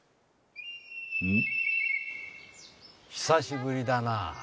久しぶりだなあ。